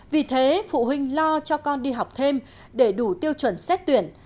vì thế phụ huynh lo cho con đi học thêm để đủ tiêu chuẩn xét tuyển